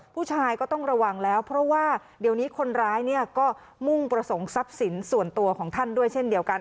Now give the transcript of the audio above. ผู้ชายก็ต้องระวังแล้วเพราะว่าเดี๋ยวนี้คนร้ายเนี่ยก็มุ่งประสงค์ทรัพย์สินส่วนตัวของท่านด้วยเช่นเดียวกัน